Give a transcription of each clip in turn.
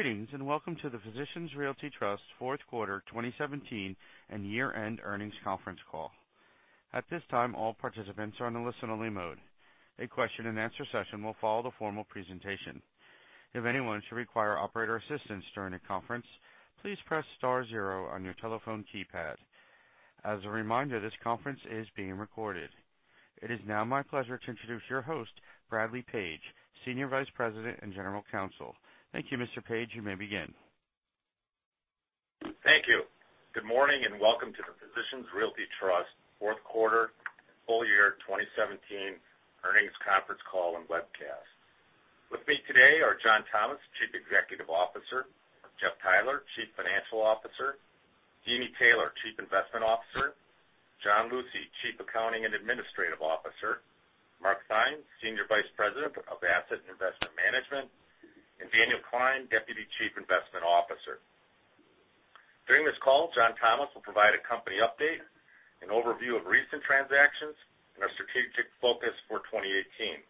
Greetings, welcome to the Physicians Realty Trust fourth quarter 2017 and year-end earnings conference call. At this time, all participants are in listen-only mode. A question and answer session will follow the formal presentation. If anyone should require operator assistance during the conference, please press star zero on your telephone keypad. As a reminder, this conference is being recorded. It is now my pleasure to introduce your host, Bradley Page, Senior Vice President and General Counsel. Thank you, Mr. Page. You may begin. Thank you. Good morning, welcome to the Physicians Realty Trust fourth quarter and full year 2017 earnings conference call and webcast. With me today are John Thomas, Chief Executive Officer, Jeff Theiler, Chief Financial Officer, Deeni Taylor, Chief Investment Officer, John Lucey, Chief Accounting and Administrative Officer, Mark Theine, Senior Vice President of Asset and Investment Management, and Daniel Klein, Deputy Chief Investment Officer. During this call, John Thomas will provide a company update, an overview of recent transactions, and our strategic focus for 2018.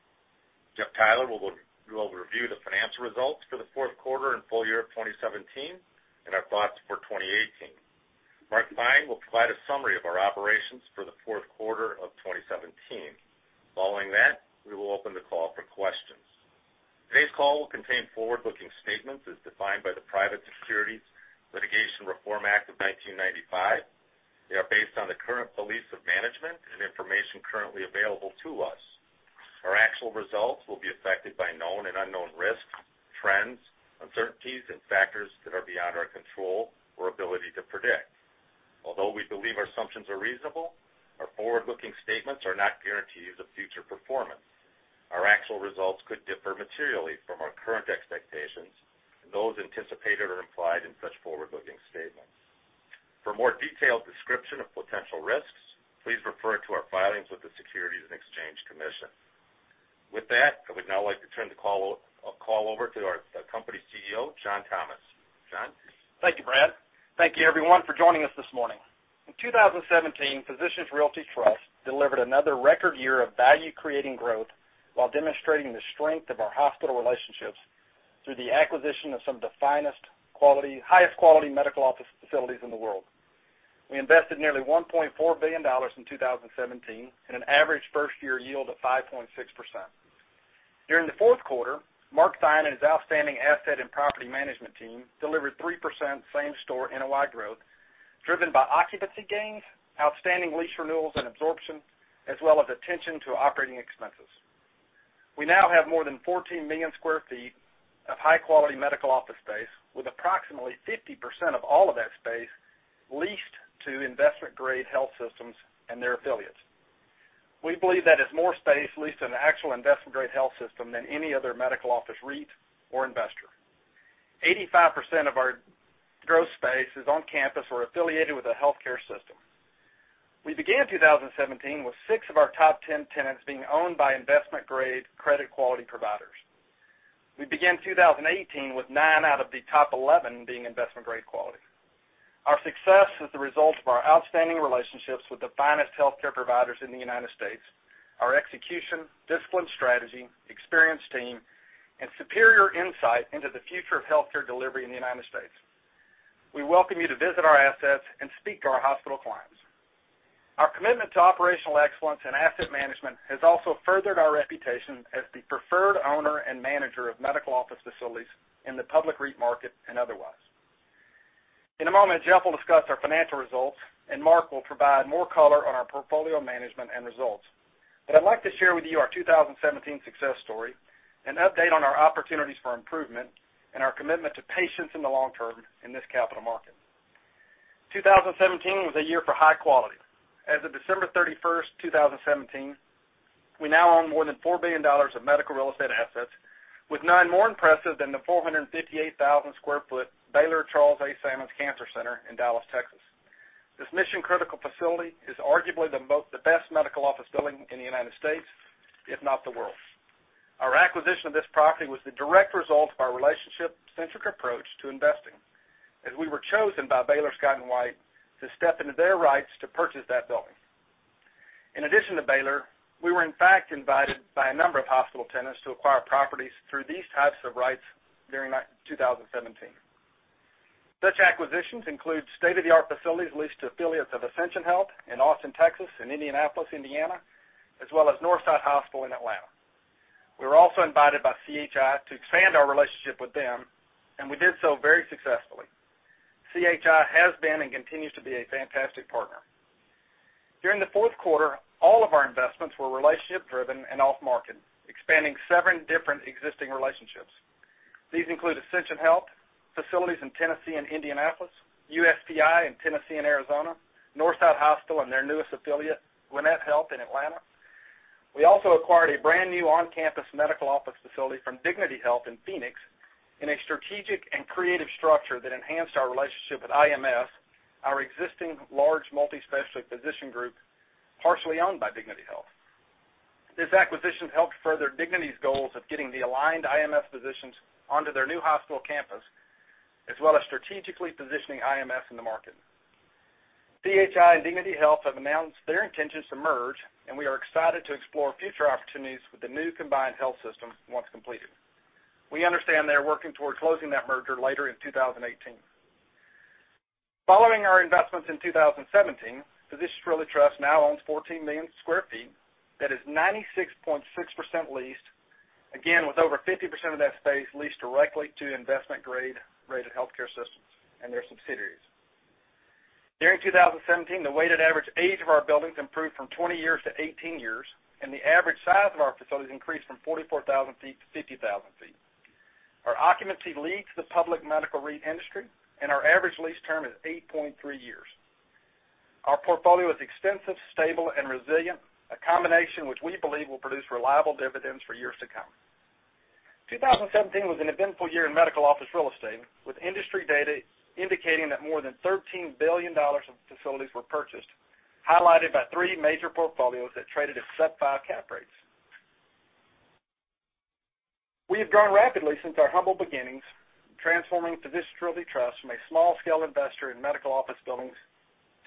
Jeff Theiler will review the financial results for the fourth quarter and full year of 2017 and our thoughts for 2018. Mark Theine will provide a summary of our operations for the fourth quarter of 2017. Following that, we will open the call for questions. Today's call will contain forward-looking statements as defined by the Private Securities Litigation Reform Act of 1995. They are based on the current beliefs of management and information currently available to us. Our actual results will be affected by known and unknown risks, trends, uncertainties, and factors that are beyond our control or ability to predict. Although we believe our assumptions are reasonable, our forward-looking statements are not guarantees of future performance. Our actual results could differ materially from our current expectations and those anticipated or implied in such forward-looking statements. For more detailed description of potential risks, please refer to our filings with the Securities and Exchange Commission. With that, I would now like to turn the call over to our company CEO, John Thomas. John? Thank you, Brad. Thank you everyone for joining us this morning. In 2017, Physicians Realty Trust delivered another record year of value-creating growth while demonstrating the strength of our hospital relationships through the acquisition of some of the highest quality medical office facilities in the world. We invested nearly $1.4 billion in 2017, and an average first-year yield of 5.6%. During the fourth quarter, Mark Theine and his outstanding asset and property management team delivered 3% same store NOI growth, driven by occupancy gains, outstanding lease renewals, and absorption, as well as attention to operating expenses. We now have more than 14 million square feet of high-quality medical office space with approximately 50% of all of that space leased to investment-grade health systems and their affiliates. We believe that is more space leased to an actual investment-grade health system than any other medical office REIT or investor. 85% of our gross space is on campus or affiliated with a healthcare system. We began 2017 with 6 of our top 10 tenants being owned by investment-grade credit quality providers. We began 2018 with 9 out of the top 11 being investment-grade quality. Our success is the result of our outstanding relationships with the finest healthcare providers in the United States, our execution, disciplined strategy, experienced team, and superior insight into the future of healthcare delivery in the United States. We welcome you to visit our assets and speak to our hospital clients. Our commitment to operational excellence and asset management has also furthered our reputation as the preferred owner and manager of medical office facilities in the public REIT market and otherwise. In a moment, Jeff will discuss our financial results, and Mark will provide more color on our portfolio management and results. I'd like to share with you our 2017 success story, an update on our opportunities for improvement, and our commitment to patience in the long term in this capital market. 2017 was a year for high quality. As of December 31st, 2017, we now own more than $4 billion of medical real estate assets, with none more impressive than the 458,000 sq ft Baylor Charles A. Sammons Cancer Center in Dallas, Texas. This mission-critical facility is arguably the best medical office building in the United States, if not the world. Our acquisition of this property was the direct result of our relationship-centric approach to investing, as we were chosen by Baylor Scott & White to step into their rights to purchase that building. In addition to Baylor, we were in fact invited by a number of hospital tenants to acquire properties through these types of rights during 2017. Such acquisitions include state-of-the-art facilities leased to affiliates of Ascension Health in Austin, Texas, and Indianapolis, Indiana, as well as Northside Hospital in Atlanta. We were also invited by CHI to expand our relationship with them, and we did so very successfully. CHI has been and continues to be a fantastic partner. During the fourth quarter, all of our investments were relationship-driven and off-market, expanding 7 different existing relationships. These include Ascension Health, facilities in Tennessee and Indianapolis, USPI in Tennessee and Arizona, Northside Hospital and their newest affiliate, Gwinnett Health in Atlanta. We also acquired a brand-new on-campus medical office facility from Dignity Health in Phoenix in a strategic and creative structure that enhanced our relationship with IMS, our existing large multi-specialty physician group partially owned by Dignity Health. This acquisition helped further Dignity's goals of getting the aligned IMS physicians onto their new hospital campus, as well as strategically positioning IMS in the market DHI and Dignity Health have announced their intentions to merge, and we are excited to explore future opportunities with the new combined health system once completed. We understand they're working towards closing that merger later in 2018. Following our investments in 2017, Physicians Realty Trust now owns 14 million sq ft, that is 96.6% leased, again, with over 50% of that space leased directly to investment-grade-rated healthcare systems and their subsidiaries. During 2017, the weighted average age of our buildings improved from 20 years to 18 years, and the average size of our facilities increased from 44,000 feet to 50,000 feet. Our occupancy leads the public medical REIT industry, and our average lease term is 8.3 years. Our portfolio is extensive, stable, and resilient, a combination which we believe will produce reliable dividends for years to come. 2017 was an eventful year in medical office real estate, with industry data indicating that more than $13 billion of facilities were purchased, highlighted by three major portfolios that traded at sub five cap rates. We have grown rapidly since our humble beginnings, transforming Physicians Realty Trust from a small-scale investor in medical office buildings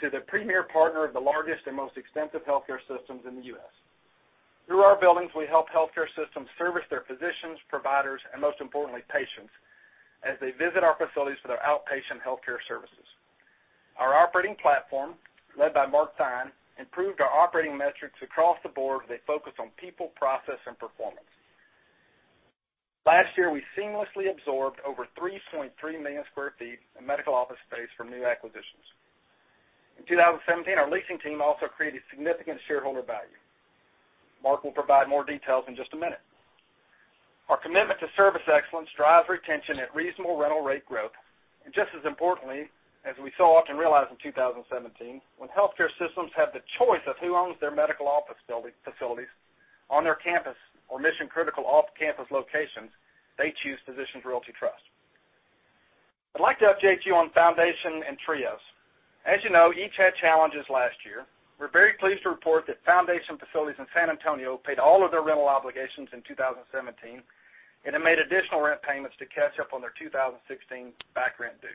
to the premier partner of the largest and most extensive healthcare systems in the U.S. Through our buildings, we help healthcare systems service their physicians, providers, and most importantly, patients, as they visit our facilities for their outpatient healthcare services. Our operating platform, led by Mark Theine, improved our operating metrics across the board with a focus on people, process, and performance. Last year, we seamlessly absorbed over 3.3 million square feet in medical office space from new acquisitions. In 2017, our leasing team also created significant shareholder value. Mark will provide more details in just a minute. Our commitment to service excellence drives retention at reasonable rental rate growth, and just as importantly, as we saw often realized in 2017, when healthcare systems have the choice of who owns their medical office facilities on their campus or mission-critical off-campus locations, they choose Physicians Realty Trust. I'd like to update you on Foundation and Trios. As you know, each had challenges last year. We're very pleased to report that Foundation facilities in San Antonio paid all of their rental obligations in 2017, and have made additional rent payments to catch up on their 2016 back rent due.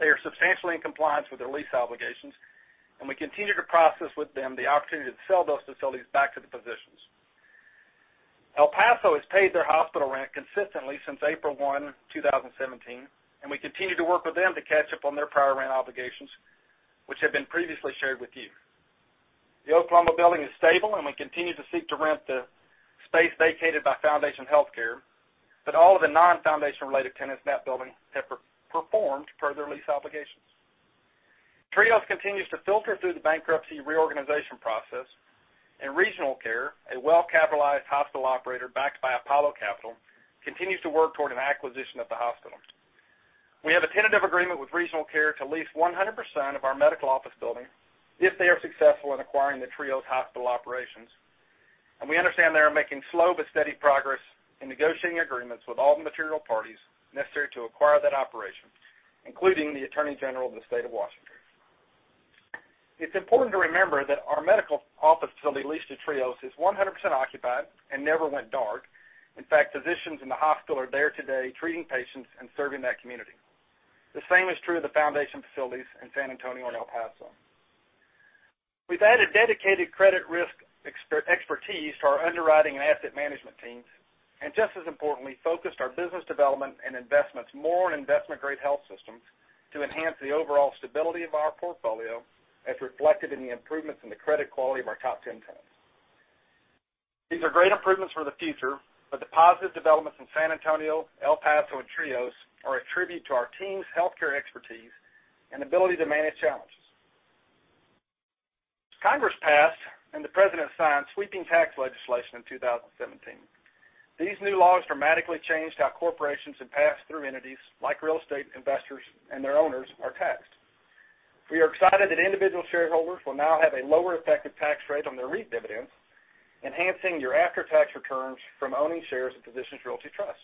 They are substantially in compliance with their lease obligations, and we continue to process with them the opportunity to sell those facilities back to the physicians. El Paso has paid their hospital rent consistently since April one, 2017, and we continue to work with them to catch up on their prior rent obligations, which have been previously shared with you. The Oklahoma building is stable, and we continue to seek to rent the space vacated by Foundation Healthcare, but all of the non-Foundation-related tenants in that building have performed per their lease obligations. Trios continues to filter through the bankruptcy reorganization process, and Regional Care, a well-capitalized hospital operator backed by Apollo Capital, continues to work toward an acquisition of the hospital. We have a tentative agreement with Regional Care to lease 100% of our medical office building if they are successful in acquiring the Trios Hospital operations, and we understand they are making slow but steady progress in negotiating agreements with all the material parties necessary to acquire that operation, including the Attorney General of the State of Washington. It's important to remember that our medical office facility leased to Trios is 100% occupied and never went dark. In fact, physicians in the hospital are there today treating patients and serving that community. The same is true of the Foundation facilities in San Antonio and El Paso. We've added dedicated credit risk expertise to our underwriting and asset management teams. Just as importantly, focused our business development and investments more on investment-grade health systems to enhance the overall stability of our portfolio, as reflected in the improvements in the credit quality of our top 10 tenants. These are great improvements for the future. The positive developments in San Antonio, El Paso, and Trios are a tribute to our team's healthcare expertise and ability to manage challenges. Congress passed and the President signed sweeping tax legislation in 2017. These new laws dramatically changed how corporations and pass-through entities like real estate investors and their owners are taxed. We are excited that individual shareholders will now have a lower effective tax rate on their REIT dividends, enhancing your after-tax returns from owning shares of Physicians Realty Trust.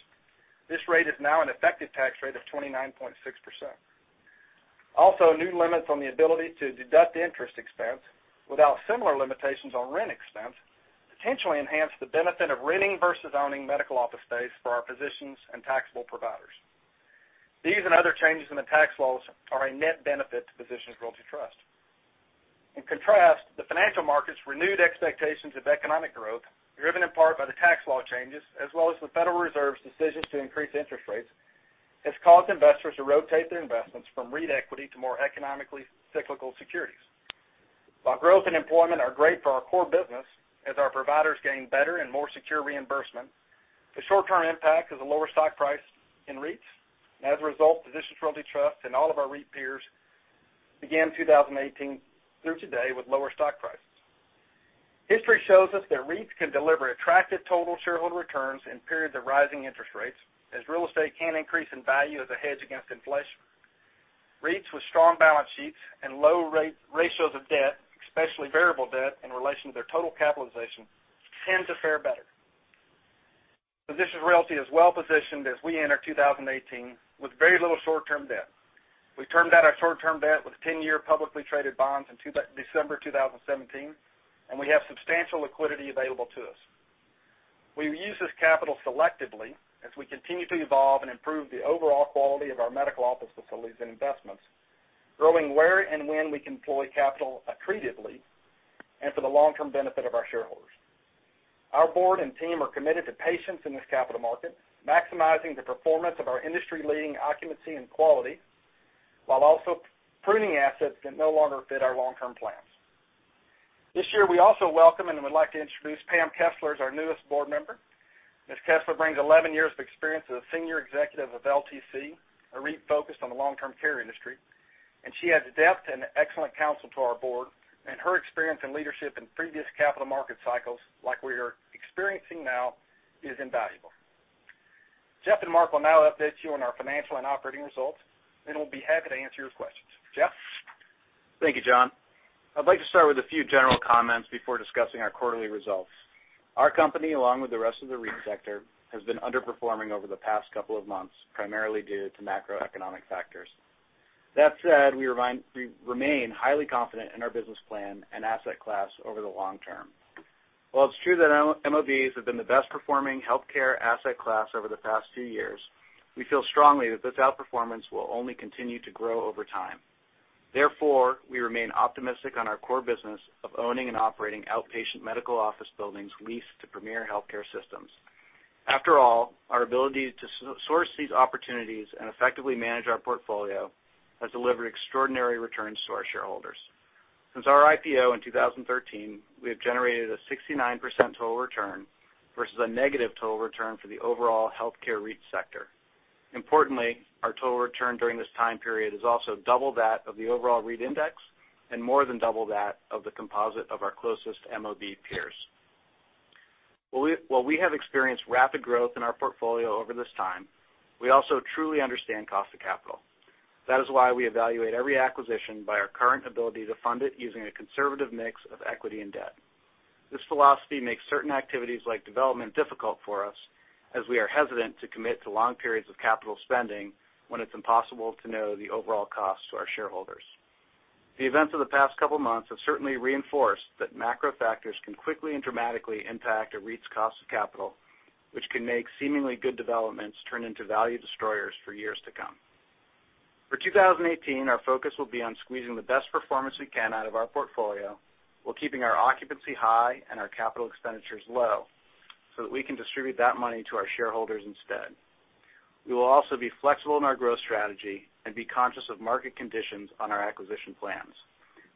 This rate is now an effective tax rate of 29.6%. New limits on the ability to deduct interest expense without similar limitations on rent expense potentially enhance the benefit of renting versus owning medical office space for our physicians and taxable providers. These and other changes in the tax laws are a net benefit to Physicians Realty Trust. In contrast, the financial markets' renewed expectations of economic growth, driven in part by the tax law changes, as well as the Federal Reserve's decision to increase interest rates, has caused investors to rotate their investments from REIT equity to more economically cyclical securities. While growth and employment are great for our core business, as our providers gain better and more secure reimbursement, the short-term impact is a lower stock price in REITs. As a result, Physicians Realty Trust and all of our REIT peers began 2018 through today with lower stock prices. History shows us that REITs can deliver attractive total shareholder returns in periods of rising interest rates, as real estate can increase in value as a hedge against inflation. REITs with strong balance sheets and low ratios of debt, especially variable debt, in relation to their total capitalization, tend to fare better. Physicians Realty is well-positioned as we enter 2018 with very little short-term debt. We termed out our short-term debt with 10-year publicly traded bonds in December 2017. We have substantial liquidity available to us. We use this capital selectively as we continue to evolve and improve the overall quality of our medical office facilities and investments, growing where and when we can deploy capital accretively and for the long-term benefit of our shareholders. Our board and team are committed to patience in this capital market, maximizing the performance of our industry-leading occupancy and quality, while also pruning assets that no longer fit our long-term plans. This year, we also welcome and would like to introduce Pam Kessler as our newest board member. Ms. Kessler brings 11 years of experience as a senior executive of LTC, a REIT focused on the long-term care industry. She adds depth and excellent counsel to our board. Her experience in leadership in previous capital market cycles, like we are experiencing now, is invaluable. Jeff and Mark will now update you on our financial and operating results. We'll be happy to answer your questions. Jeff? Thank you, John. I'd like to start with a few general comments before discussing our quarterly results. Our company, along with the rest of the REIT sector, has been underperforming over the past couple of months, primarily due to macroeconomic factors. That said, we remain highly confident in our business plan and asset class over the long term. While it's true that MOBs have been the best performing healthcare asset class over the past two years, we feel strongly that this outperformance will only continue to grow over time. Therefore, we remain optimistic on our core business of owning and operating outpatient medical office buildings leased to premier healthcare systems. After all, our ability to source these opportunities and effectively manage our portfolio has delivered extraordinary returns to our shareholders. Since our IPO in 2013, we have generated a 69% total return versus a negative total return for the overall healthcare REIT sector. Importantly, our total return during this time period is also double that of the overall REIT index and more than double that of the composite of our closest MOB peers. While we have experienced rapid growth in our portfolio over this time, we also truly understand cost of capital. That is why we evaluate every acquisition by our current ability to fund it using a conservative mix of equity and debt. This philosophy makes certain activities like development difficult for us, as we are hesitant to commit to long periods of capital spending when it's impossible to know the overall cost to our shareholders. The events of the past couple months have certainly reinforced that macro factors can quickly and dramatically impact a REIT's cost of capital, which can make seemingly good developments turn into value destroyers for years to come. For 2018, our focus will be on squeezing the best performance we can out of our portfolio, while keeping our occupancy high and our capital expenditures low so that we can distribute that money to our shareholders instead. We will also be flexible in our growth strategy and be conscious of market conditions on our acquisition plans.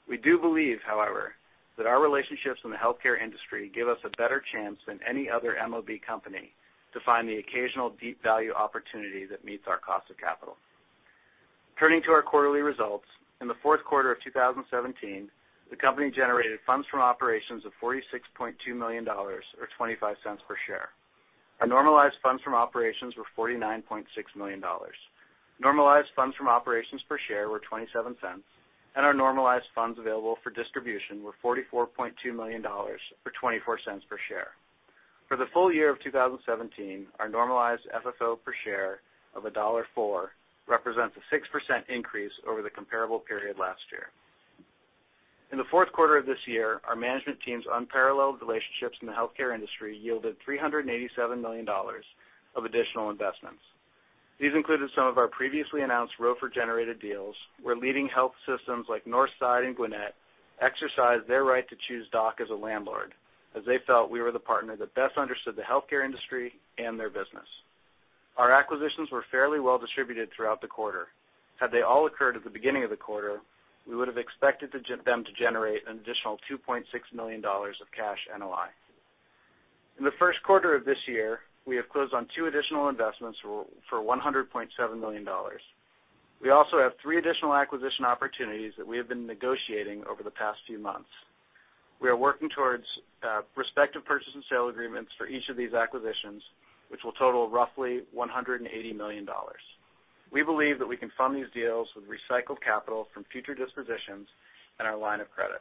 We do believe, however, that our relationships in the healthcare industry give us a better chance than any other MOB company to find the occasional deep value opportunity that meets our cost of capital. Turning to our quarterly results, in the fourth quarter of 2017, the company generated funds from operations of $46.2 million, or $0.25 per share. Our normalized funds from operations were $49.6 million. Normalized funds from operations per share were $0.27, and our normalized funds available for distribution were $44.2 million, or $0.24 per share. For the full year of 2017, our normalized FFO per share of $1.04 represents a 6% increase over the comparable period last year. In the fourth quarter of this year, our management team's unparalleled relationships in the healthcare industry yielded $387 million of additional investments. These included some of our previously announced ROFR-generated deals, where leading health systems like Northside and Gwinnett exercised their right to choose DOC as a landlord, as they felt we were the partner that best understood the healthcare industry and their business. Our acquisitions were fairly well distributed throughout the quarter. Had they all occurred at the beginning of the quarter, we would have expected them to generate an additional $2.6 million of cash NOI. In the first quarter of this year, we have closed on two additional investments for $100.7 million. We also have three additional acquisition opportunities that we have been negotiating over the past few months. We are working towards respective purchase and sale agreements for each of these acquisitions, which will total roughly $180 million. We believe that we can fund these deals with recycled capital from future dispositions and our line of credit.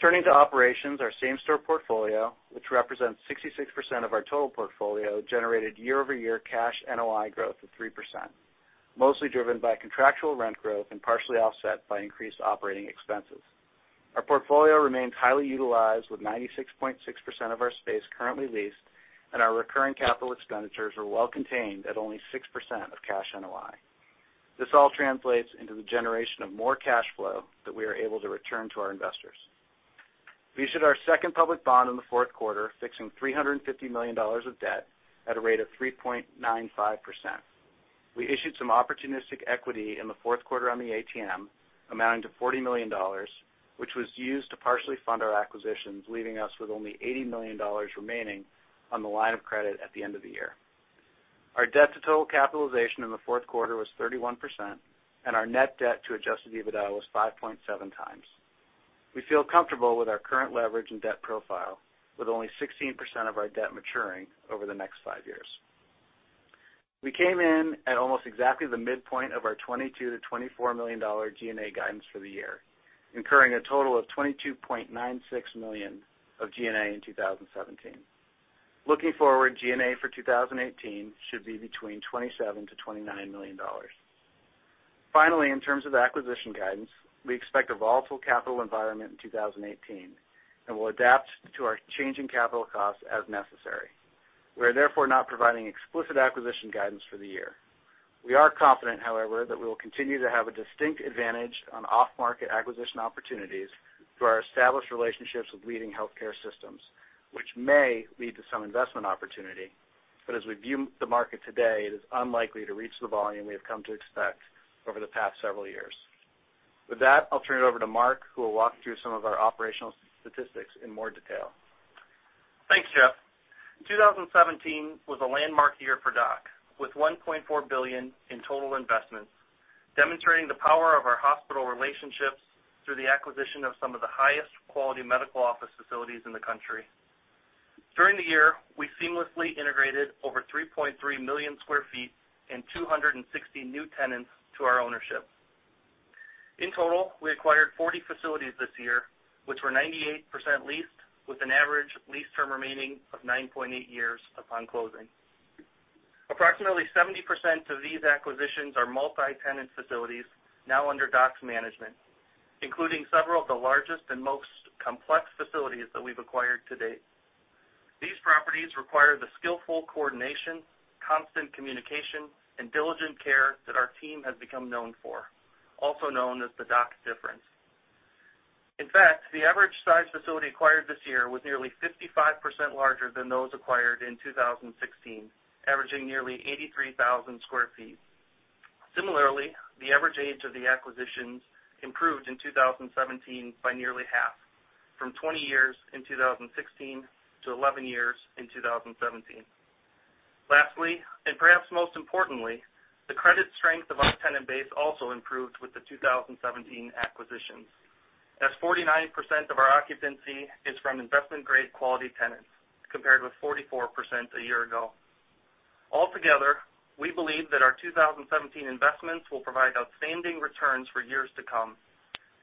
Turning to operations, our same-store portfolio, which represents 66% of our total portfolio, generated year-over-year cash NOI growth of 3%, mostly driven by contractual rent growth and partially offset by increased operating expenses. Our portfolio remains highly utilized, with 96.6% of our space currently leased, and our recurring capital expenditures are well contained at only 6% of cash NOI. This all translates into the generation of more cash flow that we are able to return to our investors. We issued our second public bond in the fourth quarter, fixing $350 million of debt at a rate of 3.95%. We issued some opportunistic equity in the fourth quarter on the ATM amounting to $40 million, which was used to partially fund our acquisitions, leaving us with only $80 million remaining on the line of credit at the end of the year. Our debt to total capitalization in the fourth quarter was 31%, and our net debt to adjusted EBITDA was 5.7 times. We feel comfortable with our current leverage and debt profile, with only 16% of our debt maturing over the next five years. We came in at almost exactly the midpoint of our $22 million-$24 million G&A guidance for the year, incurring a total of $22.96 million of G&A in 2017. Looking forward, G&A for 2018 should be between $27 million-$29 million. Finally, in terms of acquisition guidance, we expect a volatile capital environment in 2018, and we'll adapt to our changing capital costs as necessary. We are therefore not providing explicit acquisition guidance for the year. We are confident, however, that we will continue to have a distinct advantage on off-market acquisition opportunities through our established relationships with leading healthcare systems, which may lead to some investment opportunity. As we view the market today, it is unlikely to reach the volume we have come to expect over the past several years. With that, I'll turn it over to Mark, who will walk through some of our operational statistics in more detail. Thanks, Jeff. 2017 was a landmark year for DOC, with $1.4 billion in total investments, demonstrating the power of our hospital relationships through the acquisition of some of the highest-quality medical office facilities in the country. During the year, we seamlessly integrated over 3.3 million sq ft and 260 new tenants to our ownership. In total, we acquired 40 facilities this year, which were 98% leased, with an average lease term remaining of 9.8 years upon closing. Approximately 70% of these acquisitions are multi-tenant facilities now under DOC's management, including several of the largest and most complex facilities that we've acquired to date. These properties require the skillful coordination, constant communication, and diligent care that our team has become known for, also known as the DOC difference. In fact, the average size facility acquired this year was nearly 55% larger than those acquired in 2016, averaging nearly 83,000 sq ft. Similarly, the average age of the acquisitions improved in 2017 by nearly half, from 20 years in 2016 to 11 years in 2017. Lastly, and perhaps most importantly, the credit strength of our tenant base also improved with the 2017 acquisitions, as 49% of our occupancy is from investment-grade quality tenants, compared with 44% a year ago. Altogether, we believe that our 2017 investments will provide outstanding returns for years to come,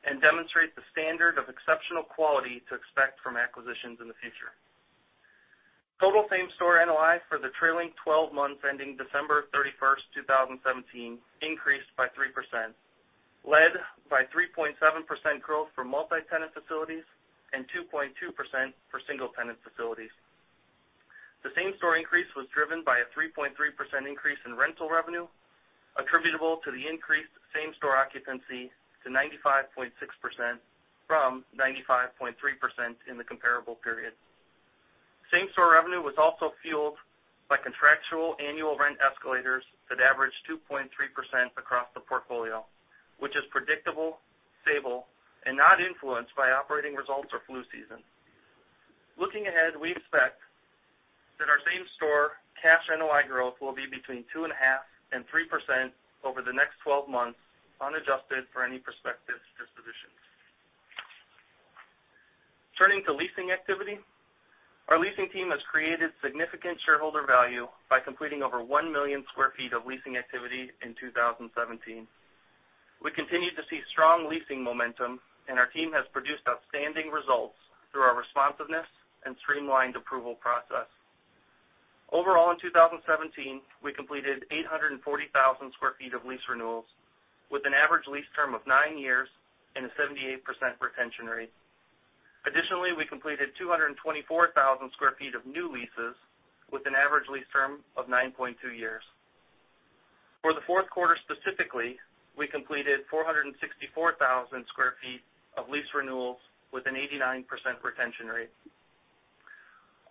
and demonstrate the standard of exceptional quality to expect from acquisitions in the future. Total same-store NOI for the trailing 12 months ending December 31st, 2017, increased by 3%, led by 3.7% growth for multi-tenant facilities and 2.2% for single-tenant facilities. The same-store increase was driven by a 3.3% increase in rental revenue attributable to the increased same-store occupancy to 95.6%, from 95.3% in the comparable period. Same-store revenue was also fueled by contractual annual rent escalators that averaged 2.3% across the portfolio, which is predictable, stable, and not influenced by operating results or flu season. Looking ahead, we expect that our same-store cash NOI growth will be between 2.5%-3% over the next 12 months, unadjusted for any prospective dispositions. Turning to leasing activity. Our leasing team has created significant shareholder value by completing over 1 million sq ft of leasing activity in 2017. We continue to see strong leasing momentum, and our team has produced outstanding results through our responsiveness and streamlined approval process. Overall, in 2017, we completed 840,000 sq ft of lease renewals, with an average lease term of nine years and a 78% retention rate. Additionally, we completed 224,000 sq ft of new leases with an average lease term of 9.2 years. For the fourth quarter specifically, we completed 464,000 sq ft of lease renewals with an 89% retention rate.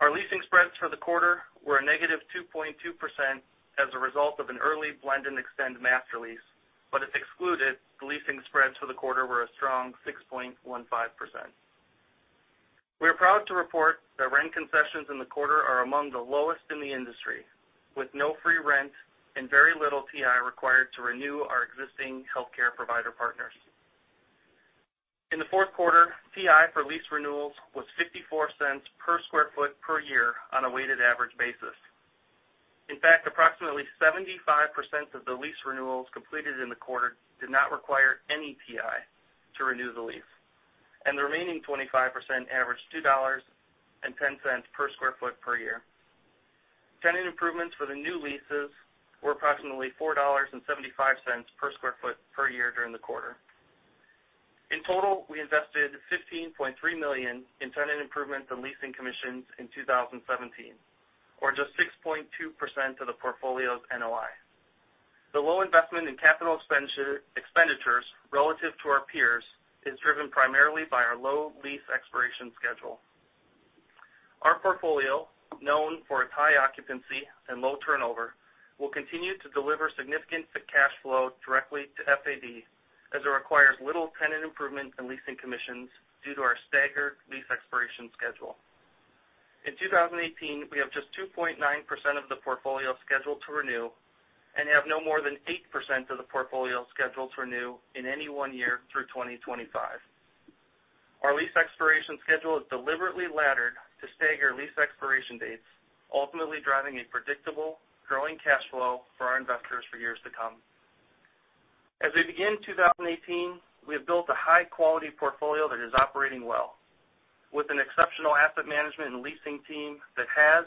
Our leasing spreads for the quarter were a -2.2% as a result of an early blend and extend master lease. If excluded, the leasing spreads for the quarter were a strong 6.15%. We are proud to report that rent concessions in the quarter are among the lowest in the industry, with no free rent and very little TI required to renew our existing healthcare provider partners. In the fourth quarter, TI for lease renewals was $0.54 per sq ft per year on a weighted average basis. In fact, approximately 75% of the lease renewals completed in the quarter did not require any TI to renew the lease, and the remaining 25% averaged $2.10 per sq ft per year. Tenant improvements for the new leases were approximately $4.75 per square foot per year during the quarter. In total, we invested $15.3 million in tenant improvements and leasing commissions in 2017, or just 6.2% of the portfolio's NOI. The low investment in capital expenditures relative to our peers is driven primarily by our low lease expiration schedule. Our portfolio, known for its high occupancy and low turnover, will continue to deliver significant cash flow directly to FAD, as it requires little tenant improvement and leasing commissions due to our staggered lease expiration schedule. In 2018, we have just 2.9% of the portfolio scheduled to renew and have no more than 8% of the portfolio scheduled to renew in any one year through 2025. Our lease expiration schedule is deliberately laddered to stagger lease expiration dates, ultimately driving a predictable, growing cash flow for our investors for years to come. As we begin 2018, we have built a high-quality portfolio that is operating well. With an exceptional asset management and leasing team that has,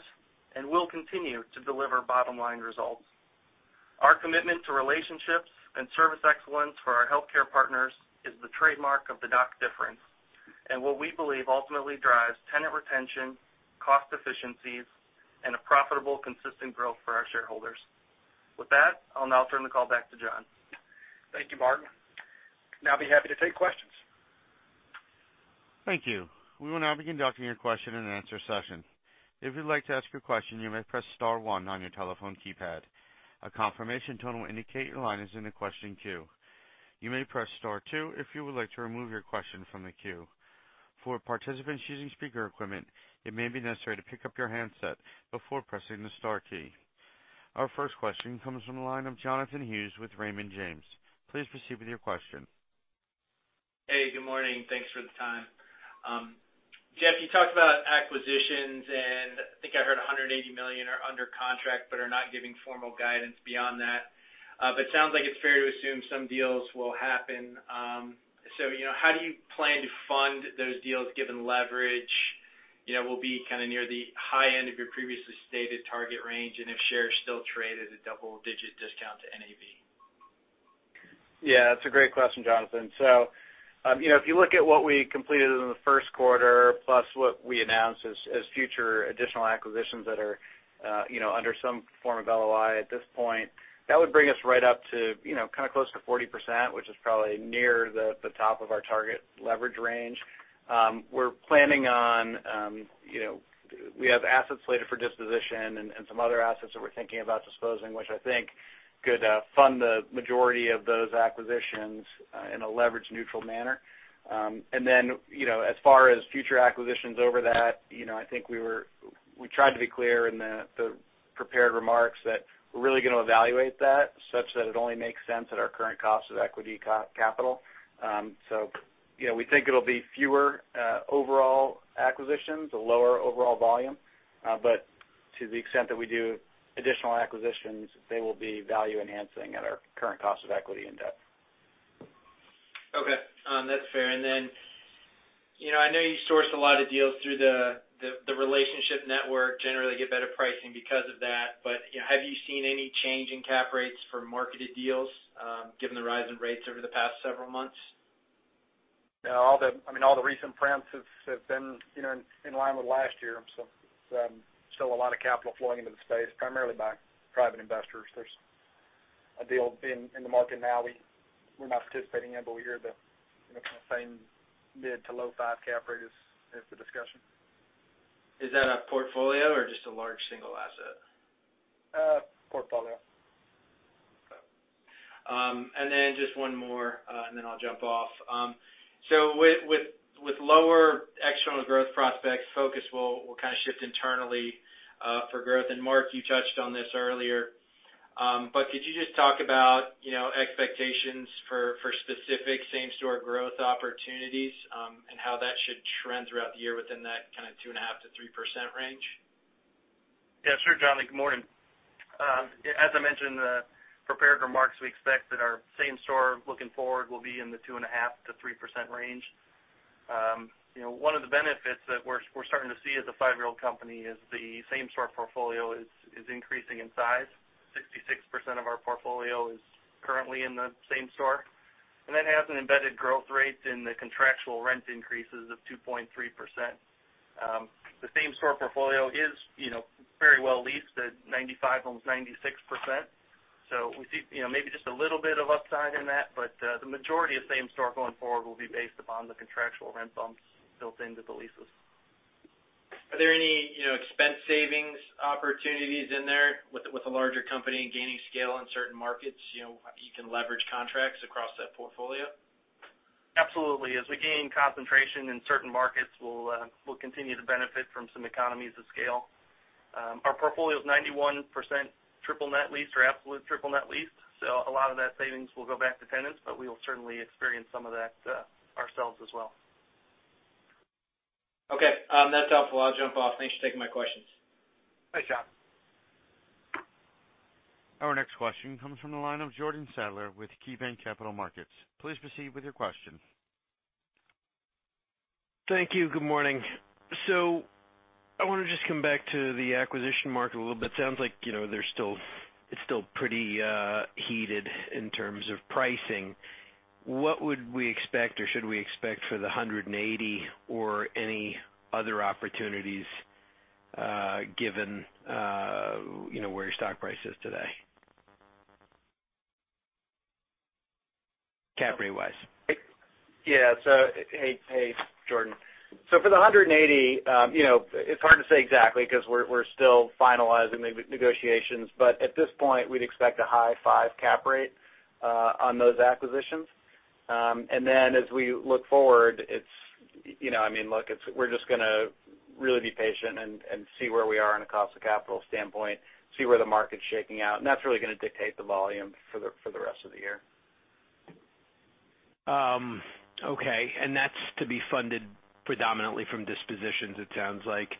and will continue to deliver bottom-line results. Our commitment to relationships and service excellence for our healthcare partners is the trademark of the DOC difference, and what we believe ultimately drives tenant retention, cost efficiencies, and a profitable, consistent growth for our shareholders. With that, I'll now turn the call back to John. Thank you, Mark. We'd now be happy to take questions. Thank you. We will now be conducting your question-and-answer session. If you'd like to ask your question, you may press star one on your telephone keypad. A confirmation tone will indicate your line is in the question queue. You may press star two if you would like to remove your question from the queue. For participants using speaker equipment, it may be necessary to pick up your handset before pressing the star key. Our first question comes from the line of Jonathan Hughes with Raymond James. Please proceed with your question. Hey, good morning. Thanks for the time. Jeff, you talked about acquisitions. I think I heard $180 million are under contract, but are not giving formal guidance beyond that. It sounds like it's fair to assume some deals will happen. How do you plan to fund those deals given leverage will be kind of near the high end of your previously stated target range, and if shares still trade at a double-digit discount to NAV? Yeah, that's a great question, Jonathan. If you look at what we completed in the first quarter, plus what we announced as future additional acquisitions that are under some form of LOI at this point, that would bring us right up to kind of close to 40%, which is probably near the top of our target leverage range. We have assets slated for disposition and some other assets that we're thinking about disposing, which I think could fund the majority of those acquisitions in a leverage-neutral manner. As far as future acquisitions over that, I think we tried to be clear in the prepared remarks that we're really going to evaluate that such that it only makes sense at our current cost of equity capital. We think it'll be fewer overall acquisitions, a lower overall volume. To the extent that we do additional acquisitions, they will be value-enhancing at our current cost of equity and debt. That's fair. I know you sourced a lot of deals through the relationship network, generally get better pricing because of that. Have you seen any change in cap rates for marketed deals, given the rise in rates over the past several months? All the recent deals have been in line with last year. Still a lot of capital flowing into the space, primarily by private investors. There's a deal in the market now we're not participating in, but we hear the kind of same mid to low five cap rate is the discussion. Is that a portfolio or just a large single asset? Portfolio. Just one more, then I'll jump off. With lower external growth prospects, focus will kind of shift internally, for growth. Mark, you touched on this earlier. Could you just talk about expectations for specific same-store growth opportunities, and how that should trend throughout the year within that kind of two and a half to 3% range? Yeah, sure, Jonathan. Good morning. As I mentioned in the prepared remarks, we expect that our same store looking forward will be in the two and a half to 3% range. One of the benefits that we're starting to see as a five-year-old company is the same store portfolio is increasing in size. 66% of our portfolio is currently in the same store, and that has an embedded growth rate in the contractual rent increases of 2.3%. The same store portfolio is very well leased at 95%, almost 96%. We see maybe just a little bit of upside in that, but the majority of same store going forward will be based upon the contractual rent bumps built into the leases. Are there any expense savings opportunities in there with the larger company and gaining scale in certain markets? You can leverage contracts across that portfolio? Absolutely. As we gain concentration in certain markets, we'll continue to benefit from some economies of scale. Our portfolio is 91% triple net leased or absolute triple net leased. A lot of that savings will go back to tenants, but we will certainly experience some of that ourselves as well. Okay. That's helpful. I'll jump off. Thanks for taking my questions. Thanks, John. Our next question comes from the line of Jordan Sadler with KeyBanc Capital Markets. Please proceed with your question. Thank you. Good morning. I want to just come back to the acquisition market a little bit. Sounds like it's still pretty heated in terms of pricing. What would we expect or should we expect for the 180 or any other opportunities, given where your stock price is today? Cap rate-wise. Hey, Jordan. For the 180, it's hard to say exactly because we're still finalizing the negotiations. At this point, we'd expect a high five cap rate on those acquisitions. As we look forward, we're just gonna really be patient and see where we are in a cost of capital standpoint, see where the market's shaking out, and that's really gonna dictate the volume for the rest of the year. Okay, that's to be funded predominantly from dispositions, it sounds like.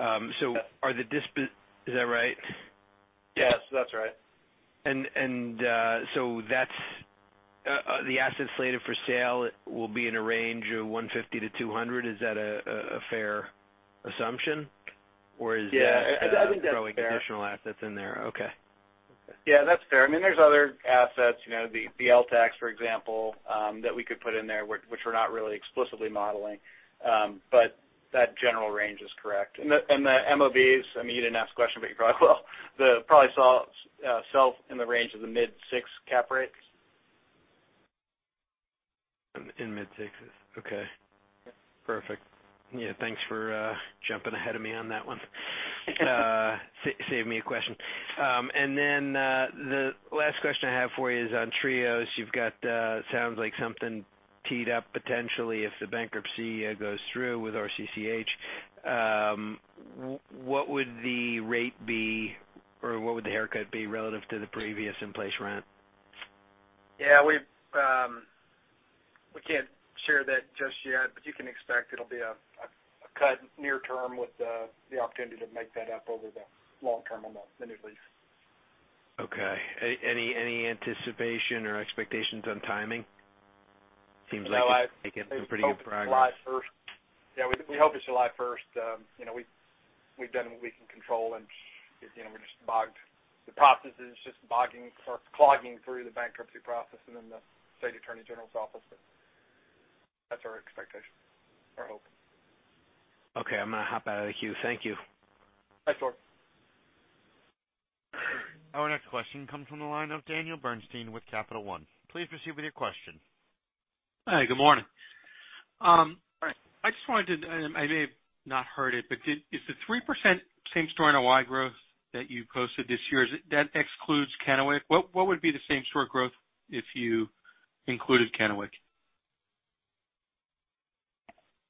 Is that right? Yes, that's right. The assets slated for sale will be in a range of $150-$200. Is that a fair assumption? Yeah. I think that's fair. throwing additional assets in there. Okay. Yeah, that's fair. There's other assets, the LTACs, for example, that we could put in there, which we're not really explicitly modeling. That general range is correct. The MOBs, you didn't ask the question, but you probably will probably sell in the range of the mid six cap rates. In mid six. Okay. Yep. Perfect. Yeah, thanks for jumping ahead of me on that one. Saved me a question. Then, the last question I have for you is on Trios. You've got, sounds like something teed up potentially if the bankruptcy goes through with RCCH. What would the rate be or what would the haircut be relative to the previous in-place rent? We can't share that just yet, but you can expect it'll be a cut near-term with the opportunity to make that up over the long term on the new lease. Any anticipation or expectations on timing? Seems like it's making pretty good progress. We hope it's July 1st. We've done what we can control, and we're just bogged. The process is just bogging or clogging through the bankruptcy process and then the State Attorney General's office. That's our expectation, our hope. I'm going to hop out of the queue. Thank you. Thanks, Jordan. Our next question comes from the line of Daniel Bernstein with Capital One. Please proceed with your question. Hi, good morning. I just wanted to, I may have not heard it, but is the 3% same-store NOI growth that you posted this year, that excludes Kennewick? What would be the same-store growth if you included Kennewick?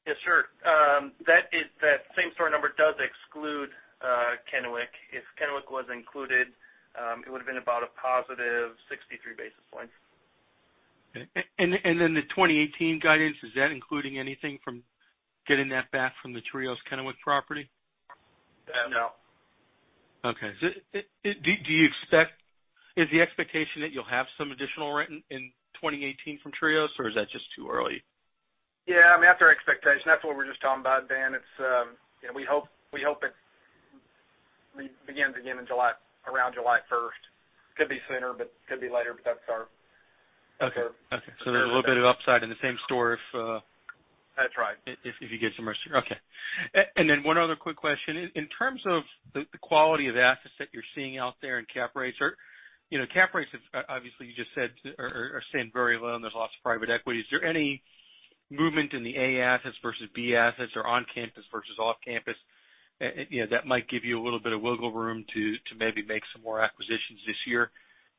Yes, sir. That same-store number does exclude Kennewick. If Kennewick was included, it would've been about a positive 63 basis points. The 2018 guidance, is that including anything from getting that back from the Trios Kennewick property? No. Okay. Is the expectation that you'll have some additional rent in 2018 from Trios, or is that just too early? Yeah. That's our expectation. That's what we were just talking about, Dan. We hope it begins again around July 1st. Could be sooner, but could be later. Okay. There's a little bit of upside in the same store. That's right If you get some more. Okay. One other quick question. In terms of the quality of assets that you're seeing out there and cap rates. Cap rates, obviously you just said, are staying very low and there's lots of private equity. Is there any movement in the A assets versus B assets, or on-campus versus off-campus, that might give you a little bit of wiggle room to maybe make some more acquisitions this year?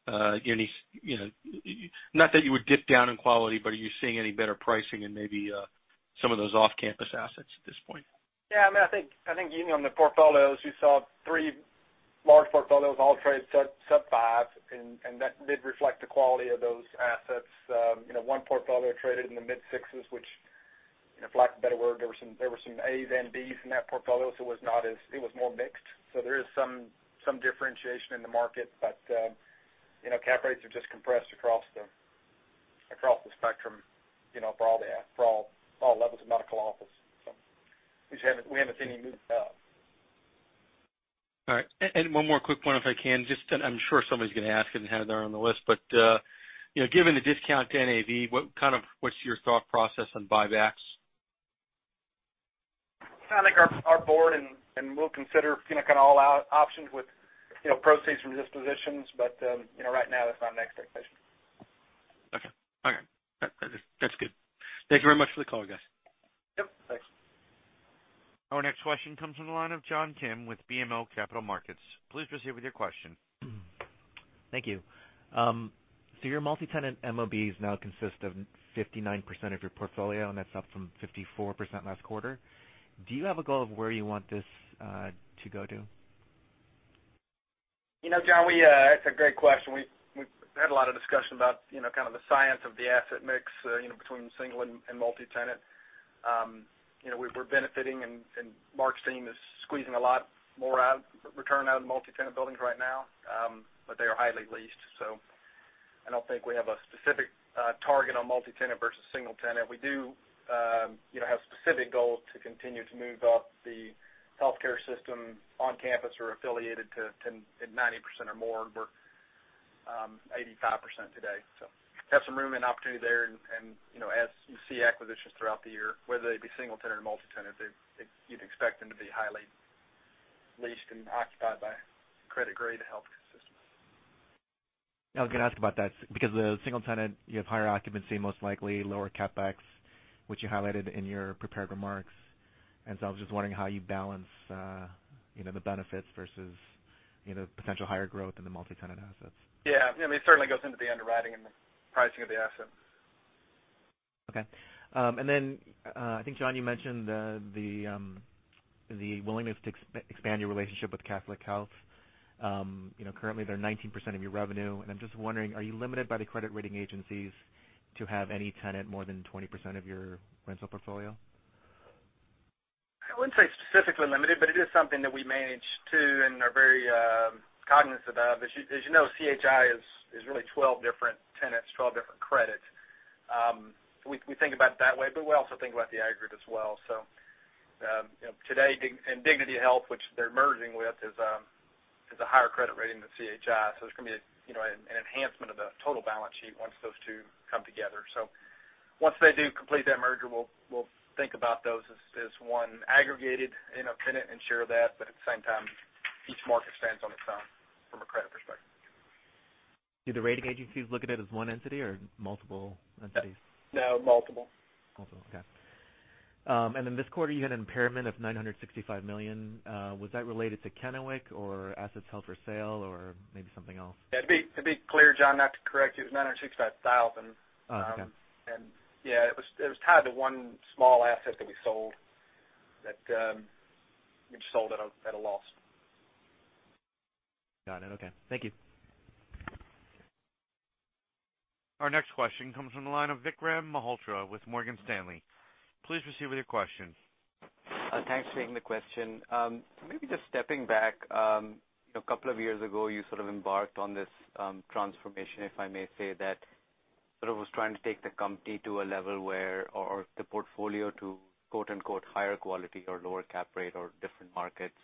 Not that you would dip down in quality, but are you seeing any better pricing in maybe some of those off-campus assets at this point? Yeah. I think even on the portfolios, you saw three large portfolios all trade sub-5s, and that did reflect the quality of those assets. One portfolio traded in the mid 6s, which for lack of a better word, there were some As and Bs in that portfolio, so it was more mixed. There is some differentiation in the market. Cap rates are just compressed across the spectrum for all levels of medical office. We haven't seen any movement. All right. One more quick one if I can. I'm sure somebody's going to ask it and have it there on the list, but given the discount to NAV, what's your thought process on buybacks? I think our board, we'll consider all our options with proceeds from dispositions. Right now, that's not an expectation. Okay. That's good. Thank you very much for the call, guys. Yep. Thanks. Our next question comes from the line of John Kim with BMO Capital Markets. Please proceed with your question. Thank you. Your multi-tenant MOBs now consist of 59% of your portfolio, and that's up from 54% last quarter. Do you have a goal of where you want this to go to? John, that's a great question. We've had a lot of discussion about kind of the science of the asset mix between single and multi-tenant. We're benefiting, and Mark's team is squeezing a lot more return out of the multi-tenant buildings right now, but they are highly leased. I don't think we have a specific target on multi-tenant versus single tenant. We do have specific goals to continue to move up the healthcare system on campus or affiliated to 90% or more. We're 85% today. We have some room and opportunity there, and as you see acquisitions throughout the year, whether they be single tenant or multi-tenant, you'd expect them to be highly leased and occupied by credit-grade health systems. I was going to ask about that because the single tenant, you have higher occupancy, most likely lower CapEx, which you highlighted in your prepared remarks. I was just wondering how you balance the benefits versus potential higher growth in the multi-tenant assets. Yeah. It certainly goes into the underwriting and the pricing of the asset. Okay. I think, John, you mentioned the willingness to expand your relationship with Catholic Health. Currently, they're 19% of your revenue, and I'm just wondering, are you limited by the credit rating agencies to have any tenant more than 20% of your rental portfolio? I wouldn't say specifically limited, but it is something that we manage to and are very cognizant of. As you know, CHI is really 12 different tenants, 12 different credits. We think about it that way, but we also think about the aggregate as well. Today, in Dignity Health, which they're merging with, is a higher credit rating than CHI. There's going to be an enhancement of the total balance sheet once those two come together. Once they do complete that merger, we'll think about those as one aggregated tenant and share that, but at the same time, each market stands on its own from a credit perspective. Do the rating agencies look at it as one entity or multiple entities? No, multiple. Multiple. Okay. In this quarter, you had an impairment of $965 million. Was that related to Kennewick or assets held for sale or maybe something else? Yeah, to be clear, John, not to correct you, it was $965,000. Oh, okay. Yeah, it was tied to one small asset that we sold, that we sold at a loss. Got it. Okay. Thank you. Our next question comes from the line of Vikram Malhotra with Morgan Stanley. Please proceed with your question. Thanks for taking the question. Maybe just stepping back, a couple of years ago, you sort of embarked on this transformation, if I may say that, sort of was trying to take the company to a level where or the portfolio to "higher quality" or lower cap rate or different markets.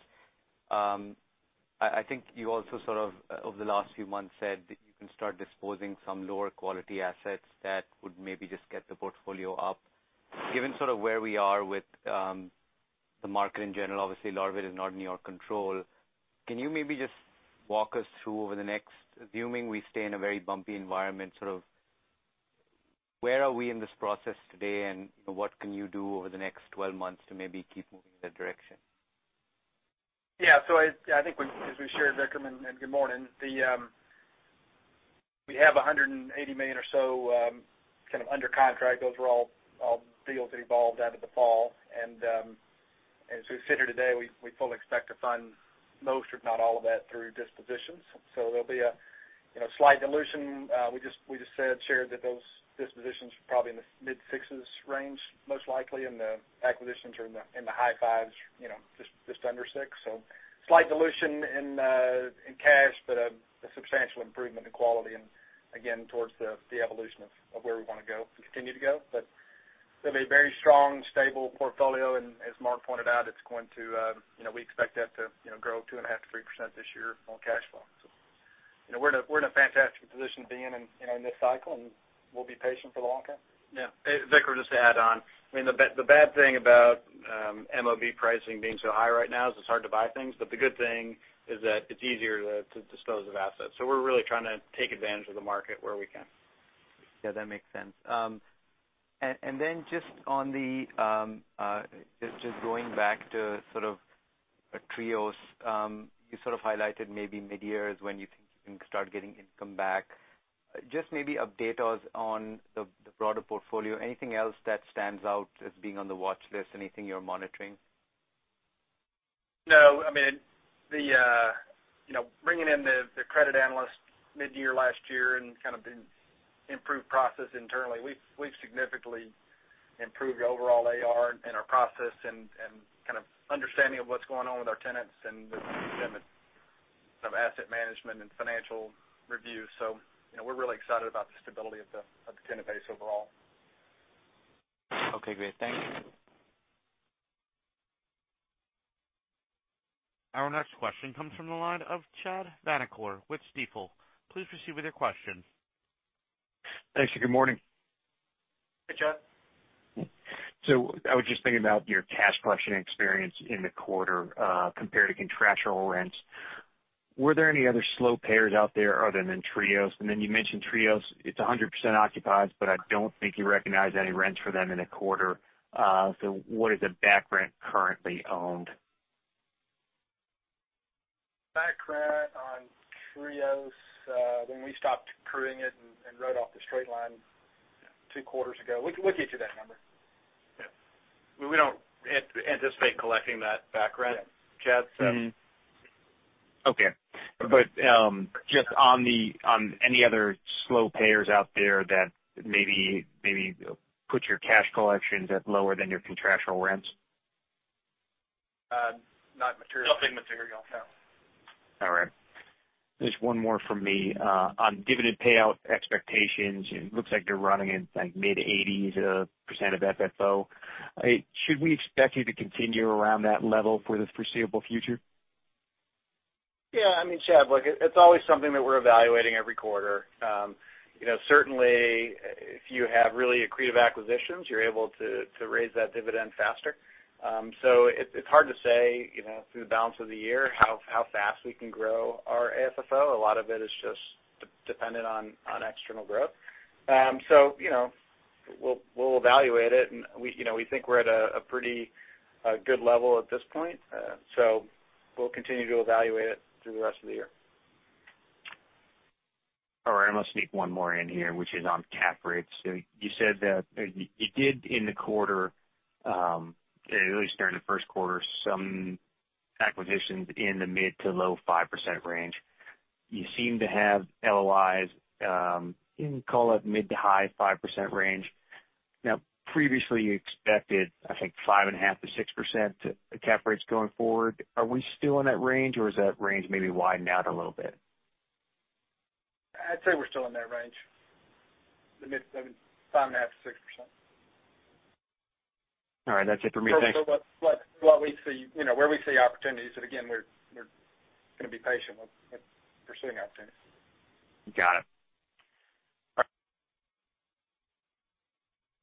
I think you also sort of, over the last few months, said that you can start disposing some lower quality assets that would maybe just get the portfolio up. Given sort of where we are with the market in general, obviously a lot of it is not in your control. Can you maybe just walk us through over the next— assuming we stay in a very bumpy environment, sort of where are we in this process today, and what can you do over the next 12 months to maybe keep moving in that direction? I think as we shared, Vikram, and good morning. We have $180 million or so kind of under contract. Those are all deals that evolved out of the fall. As we sit here today, we fully expect to fund most, if not all of that, through dispositions. There'll be a slight dilution. We just shared that those dispositions are probably in the mid-6s range, most likely, and the acquisitions are in the high 5s, just under 6. Slight dilution in cash, but a substantial improvement in quality and again, towards the evolution of where we want to go, to continue to go. But it'll be a very strong, stable portfolio. As Mark pointed out, we expect that to grow 2.5%-3% this year on cash flow. We are in a fantastic position to be in this cycle, and we will be patient for the long term. Yeah. Vikram, just to add on, I mean, the bad thing about MOB pricing being so high right now is it is hard to buy things, but the good thing is that it is easier to dispose of assets. We are really trying to take advantage of the market where we can. Yeah, that makes sense. Just going back to sort of Trios. You sort of highlighted maybe mid-year is when you think you can start getting income back. Just maybe update us on the broader portfolio. Anything else that stands out as being on the watch list? Anything you are monitoring? No. Bringing in the credit analyst mid-year last year and kind of the improved process internally, we have significantly improved overall AR and our process and kind of understanding of what is going on with our tenants and with some asset management and financial reviews. We are really excited about the stability of the tenant base overall. Okay, great. Thank you. Our next question comes from the line of Chad Vanacore with Stifel. Please proceed with your question. Thanks. Good morning. Hey, Chad. I was just thinking about your cash collection experience in the quarter compared to contractual rents. Were there any other slow payers out there other than Trios? You mentioned Trios, it's 100% occupied, but I don't think you recognized any rents for them in the quarter. What is the back rent currently owned? Back rent on Trios, when we stopped accruing it and wrote off the straight line two quarters ago. We can get you that number. Yeah. We don't anticipate collecting that back rent, Chad, so. Okay. Just on any other slow payers out there that maybe put your cash collections at lower than your contractual rents? Not material. Nothing material, no. All right. Just one more from me. On dividend payout expectations, it looks like you're running in mid-80s% of FFO. Should we expect you to continue around that level for the foreseeable future? Yeah, I mean, Chad, look, it's always something that we're evaluating every quarter. Certainly, if you have really accretive acquisitions, you're able to raise that dividend faster. It's hard to say through the balance of the year how fast we can grow our AFFO. A lot of it is just dependent on external growth. We'll evaluate it, and we think we're at a pretty good level at this point. We'll continue to evaluate it through the rest of the year. I'm going to sneak one more in here, which is on cap rates. You said that you did in the quarter, at least during the first quarter, some acquisitions in the mid to low 5% range. You seem to have LOIs in, call it, mid to high 5% range. Previously you expected, I think, 5.5%-6% cap rates going forward. Are we still in that range or is that range maybe widened out a little bit? I'd say we're still in that range, the mid 5.5%-6%. All right. That's it for me. Thanks. Where we see opportunities, and again, we're going to be patient with pursuing opportunities. Got it.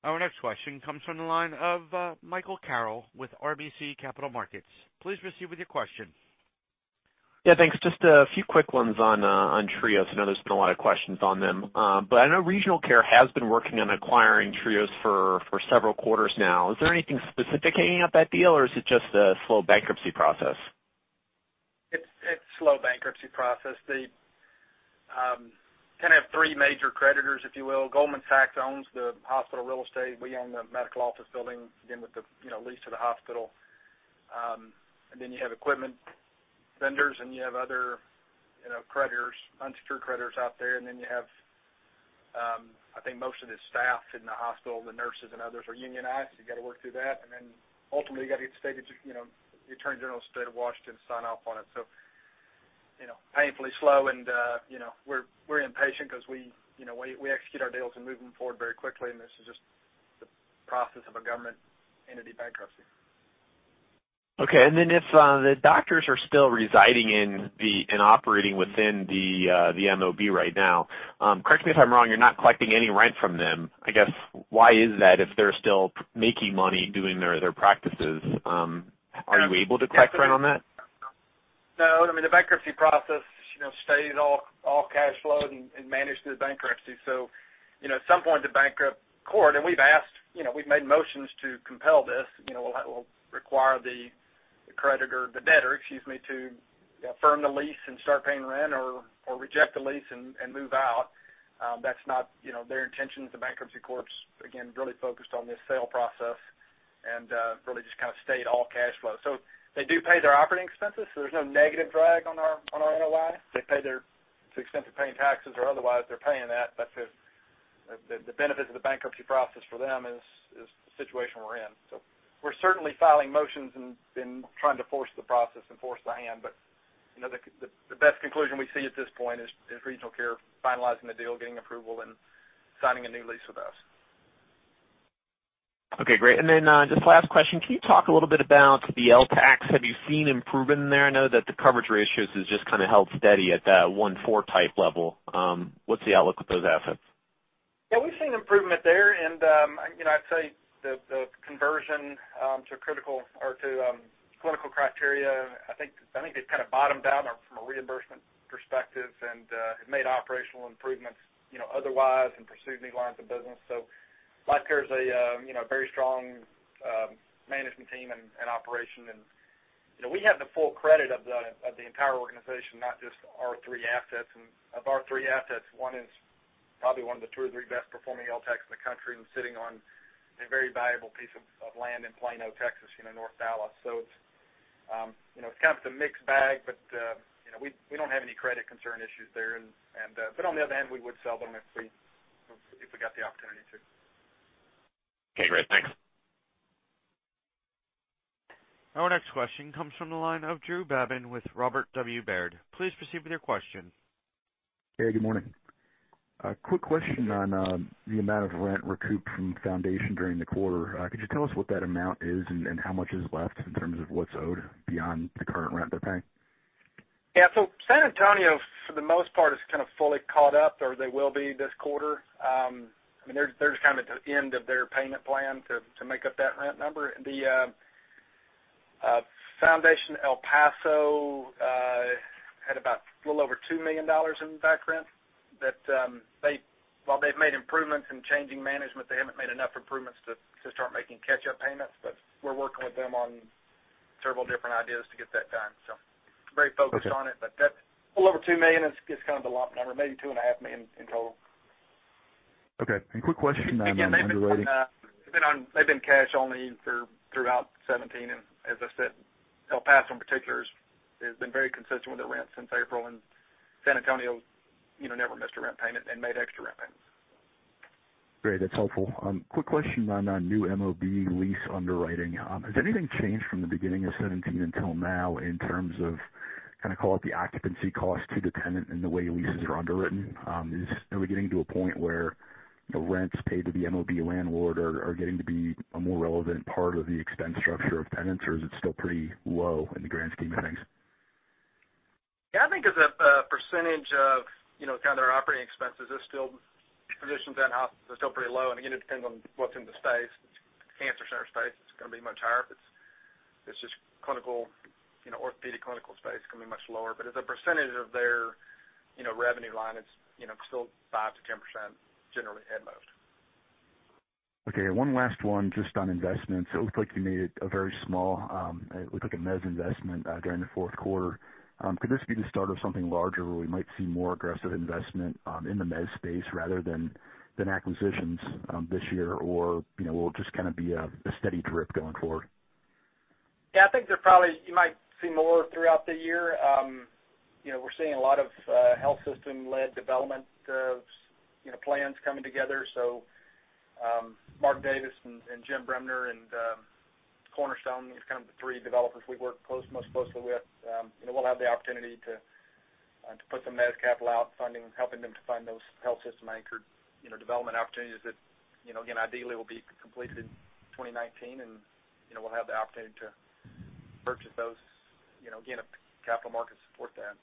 All right. Our next question comes from the line of Michael Carroll with RBC Capital Markets. Please proceed with your question. Yeah, thanks. Just a few quick ones on Trios. I know there's been a lot of questions on them. I know RegionalCare has been working on acquiring Trios for several quarters now. Is there anything specific hanging up that deal, or is it just a slow bankruptcy process? It's slow bankruptcy process. They kind of have three major creditors, if you will. Goldman Sachs owns the hospital real estate. We own the medical office building, again, with the lease to the hospital. You have equipment vendors, and you have other unsecured creditors out there. You have, I think most of the staff in the hospital, the nurses and others, are unionized. You got to work through that. Ultimately, you got to get the Attorney General of the State of Washington to sign off on it. Painfully slow and we're impatient because we execute our deals and move them forward very quickly, and this is just the process of a government entity bankruptcy. Okay. If the doctors are still residing in and operating within the MOB right now, correct me if I'm wrong, you're not collecting any rent from them. I guess, why is that if they're still making money doing their practices? Are you able to collect rent on that? No. I mean, the bankruptcy process stays all cash flow and manages the bankruptcy. At some point, the bankruptcy court, and we've made motions to compel this, will require the debtor to affirm the lease and start paying rent or reject the lease and move out. That's not their intention as the bankruptcy court's, again, really focused on this sale process and really just kind of stayed all cash flow. They do pay their operating expenses, so there's no negative drag on our NOI. They pay their, to the extent they're paying taxes or otherwise, they're paying that. The benefit of the bankruptcy process for them is the situation we're in. We're certainly filing motions and trying to force the process and force the hand. The best conclusion we see at this point is Regional Care finalizing the deal, getting approval, and signing a new lease with us. Okay, great. Just last question. Can you talk a little bit about the LTACs? Have you seen improvement in there? I know that the coverage ratios has just kind of held steady at that 1.4 type level. What's the outlook with those assets? Yeah, we've seen improvement there, and I'd say the conversion to critical or to clinical criteria, I think they've kind of bottomed out from a reimbursement perspective and have made operational improvements otherwise and pursued new lines of business. LifeCare is a very strong management team and operation, and we have the full credit of the entire organization, not just our three assets. Of our three assets, one is probably one of the two or three best performing LTACs in the country and sitting on a very valuable piece of land in Plano, Texas, North Dallas. It's kind of a mixed bag, but we don't have any credit concern issues there. On the other hand, we would sell them if we got the opportunity to. Okay, great. Thanks. Our next question comes from the line of Drew Babin with Robert W. Baird. Please proceed with your question. Hey, good morning. A quick question on the amount of rent recouped from Foundation during the quarter. Could you tell us what that amount is and how much is left in terms of what's owed beyond the current rent they're paying? Yeah. San Antonio, for the most part, is kind of fully caught up, or they will be this quarter. They're just kind of at the end of their payment plan to make up that rent number. The Foundation El Paso had about a little over $2 million in back rent that while they've made improvements in changing management, they haven't made enough improvements to start making catch-up payments. We're working with them on several different ideas to get that done. Very focused on it, but that's a little over $2 million is kind of the lump number, maybe $2.5 million in total. Okay, quick question on underwriting. Again, they've been cash only throughout 2017, and as I said, El Paso in particular has been very consistent with their rent since April, and San Antonio never missed a rent payment and made extra rent payments. Great. That's helpful. Quick question on new MOB lease underwriting. Has anything changed from the beginning of 2017 until now in terms of, kind of call it the occupancy cost to the tenant and the way leases are underwritten? Are we getting to a point where the rents paid to the MOB landlord are getting to be a more relevant part of the expense structure of tenants, or is it still pretty low in the grand scheme of things? I think as a percentage of their operating expenses, physicians and hospitals are still pretty low. Again, it depends on what's in the space. Cancer center space, it's going to be much higher. If it's just clinical, orthopedic clinical space, it can be much lower. As a percentage of their revenue line, it's still 5%-10%, generally at most. One last one just on investments. It looked like you made a very small mezz investment during the fourth quarter. Could this be the start of something larger where we might see more aggressive investment in the mezz space rather than acquisitions this year, or will it just be a steady drip going forward? I think you might see more throughout the year. We're seeing a lot of health system-led development plans coming together. Mark Davis and Jim Bremner, and Cornerstone is the three developers we work most closely with. We'll have the opportunity to put some of that capital out, funding, helping them to fund those health system-anchored development opportunities that, again, ideally will be completed in 2019, and we'll have the opportunity to purchase those, again, if capital markets support that.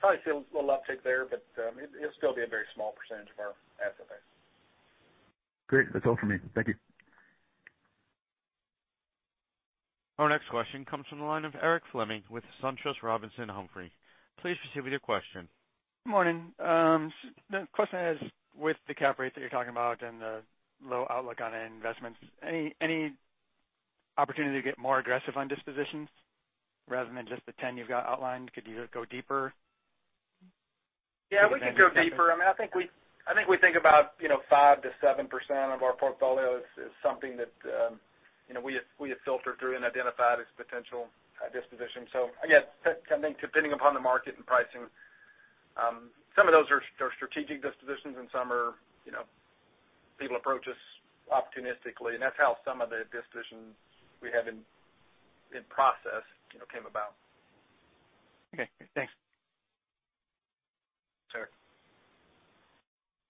Probably see a little uptick there, but it'll still be a very small percentage of our asset base. Great. That's all for me. Thank you. Our next question comes from the line of Eric Fleming with SunTrust Robinson Humphrey. Please proceed with your question. Good morning. The question is: With the cap rates that you're talking about and the low outlook on investments, any opportunity to get more aggressive on dispositions rather than just the 10 you've got outlined? Could you go deeper? Yeah, we could go deeper. I think we think about 5%-7% of our portfolio is something that we have filtered through and identified as potential disposition. Again, depending upon the market and pricing. Some of those are strategic dispositions, and some are, people approach us opportunistically, and that's how some of the dispositions we have in process came about. Okay, thanks. Sure.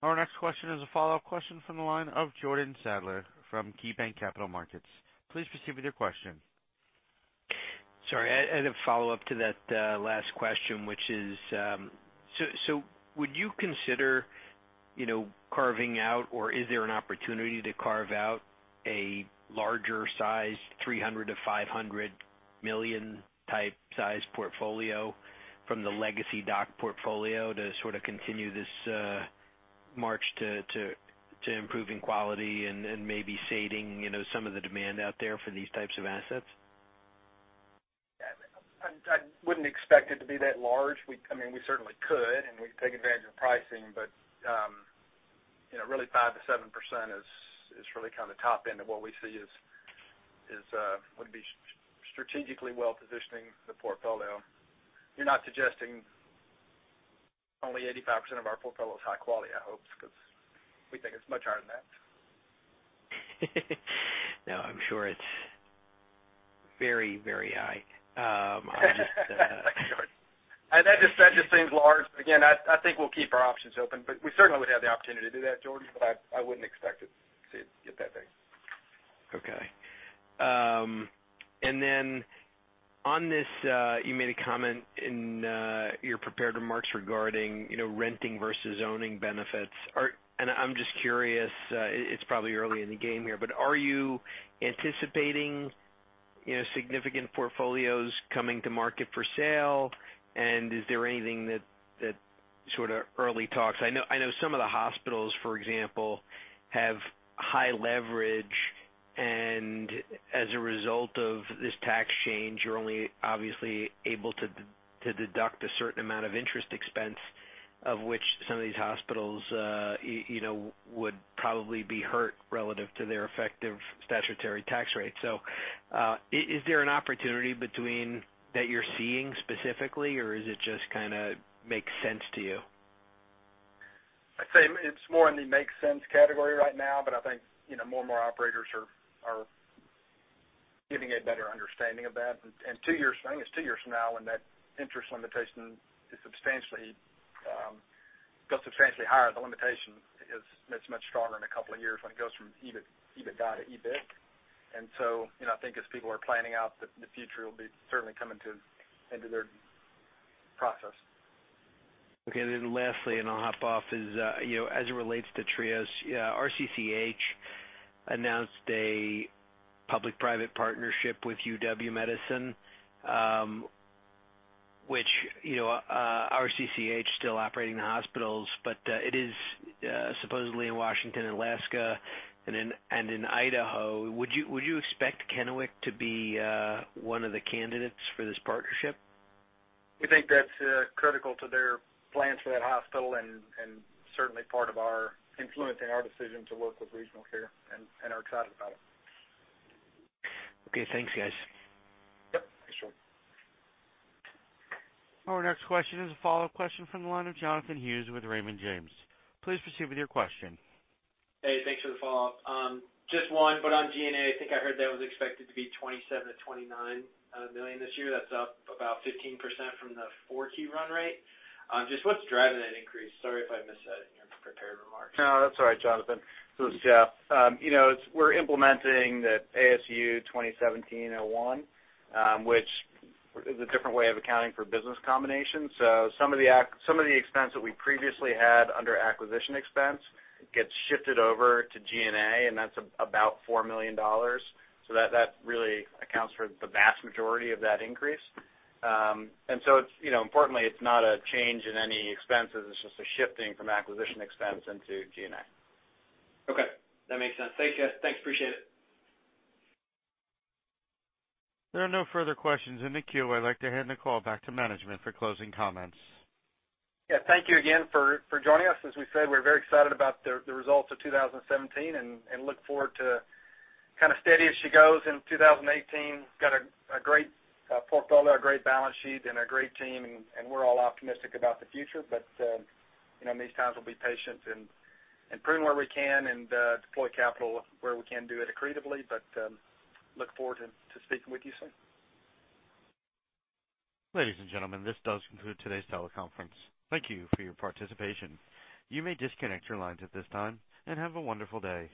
Our next question is a follow-up question from the line of Jordan Sadler from KeyBanc Capital Markets. Please proceed with your question. Sorry, as a follow-up to that last question, which is, would you consider carving out, or is there an opportunity to carve out a larger size, $300 million-$500 million type size portfolio from the legacy DOC portfolio to sort of continue this march to improving quality and maybe sating some of the demand out there for these types of assets? I wouldn't expect it to be that large. We certainly could, we can take advantage of pricing, really, 5%-7% is really kind of the top end of what we see would be strategically well-positioning the portfolio. You're not suggesting only 85% of our portfolio is high quality, I hope, because we think it's much higher than that. No, I'm sure it's very, very high. Thanks, Jordan. That just seems large. Again, I think we'll keep our options open, but we certainly would have the opportunity to do that, Jordan, but I wouldn't expect it to get that big. Okay. Then on this, you made a comment in your prepared remarks regarding renting versus owning benefits. I'm just curious, it's probably early in the game here, but are you anticipating significant portfolios coming to market for sale? Is there anything that sort of early talks? I know some of the hospitals, for example, have high leverage, and as a result of this tax change, you're only obviously able to deduct a certain amount of interest expense, of which some of these hospitals would probably be hurt relative to their effective statutory tax rate. Is there an opportunity between that you're seeing specifically, or is it just kind of makes sense to you? I'd say it's more in the makes sense category right now, but I think more and more operators are getting a better understanding of that. I think it's two years from now when that interest limitation goes substantially higher. The limitation is much stronger in a couple of years when it goes from EBITDA to EBIT. I think as people are planning out, the future will be certainly come into their process. Okay, then lastly, I'll hop off is, as it relates to Trios, RCCH announced a public-private partnership with UW Medicine, which RCCH is still operating the hospitals, but it is supposedly in Washington, Alaska, and in Idaho. Would you expect Kennewick to be one of the candidates for this partnership? We think that's critical to their plans for that hospital and certainly part of influencing our decision to work with RegionalCare, and are excited about it. Okay, thanks, guys. Yep, thanks, Jordan. Our next question is a follow-up question from the line of Jonathan Hughes with Raymond James. Please proceed with your question. Just one, on G&A, I think I heard that was expected to be $27 million-$29 million this year. That's up about 15% from the 4Q run rate. Just what's driving that increase? Sorry if I missed that in your prepared remarks. No, that's all right, Jonathan. It's Jeff. We're implementing the ASU 2017-01, which is a different way of accounting for business combinations. Some of the expense that we previously had under acquisition expense gets shifted over to G&A, and that's about $4 million. That really accounts for the vast majority of that increase. Importantly, it's not a change in any expenses. It's just a shifting from acquisition expense into G&A. Okay. That makes sense. Thanks, Jeff. Thanks, appreciate it. There are no further questions in the queue. I'd like to hand the call back to management for closing comments. Yeah. Thank you again for joining us. As we said, we're very excited about the results of 2017 and look forward to kind of steady as she goes in 2018. We've got a great portfolio, a great balance sheet, and a great team, and we're all optimistic about the future. In these times, we'll be patient and prune where we can and deploy capital where we can do it accretively. Look forward to speaking with you soon. Ladies and gentlemen, this does conclude today's teleconference. Thank you for your participation. You may disconnect your lines at this time, and have a wonderful day.